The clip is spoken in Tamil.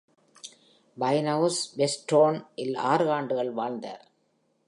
Winehouse Whetstone-இல் ஆறு ஆண்டுகள் வாழ்ந்தார்.